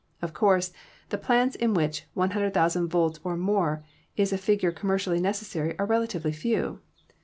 Of course, the plants in which 100,000 volts or more is a figure commercially necessary are relatively few.